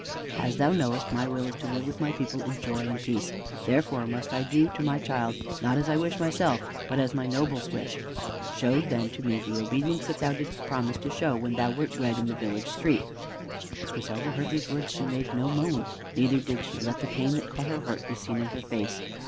As thou knowest, my will is to live with my people in joy and peace. Therefore must I do to my child not as I wish myself, but as my nobles wish. Show then to me the obedience that thou didst promise to show when thou wert wed in the village street." As Griselda heard these words she made no moan. Neither did she let the pain that caught at her heart be seen in her face.